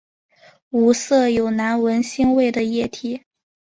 无色有难闻腥味的液体。